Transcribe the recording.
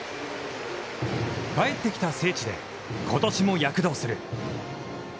帰ってきた聖地で、ことしも躍動する。